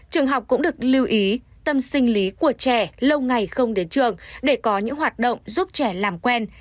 trường học cũng được lưu ý tâm sinh lý của trẻ lâu ngày không đến trường để có những hoạt động giúp trẻ làm quen